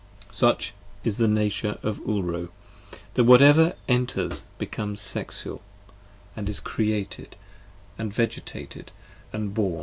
Such is the nature of the Ulro : that whatever enters, Becomes Sexual, & is Created, and Vegetated, and Born.